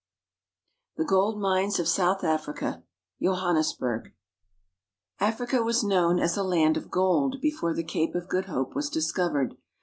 THE GOLD MINES OF SOUTH AFRICA — JOHANNESBURG AFRICA was known as a land of gold before the Cape of Good Hope was discovered.